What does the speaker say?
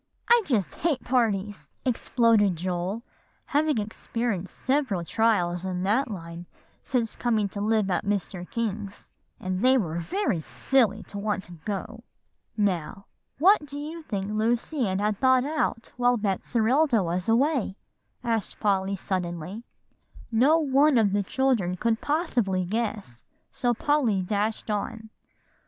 "I just hate parties!" exploded Joel, having experienced several trials in that line since coming to live at Mr. King's; "and they were very silly to want to go." "Now, what do you think Lucy Ann had thought out while Betserilda was away?" asked Polly suddenly. No one of the children could possibly guess, so Polly dashed on.